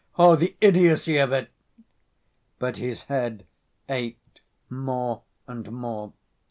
Oh, the idiocy of it!" But his head ached more and more.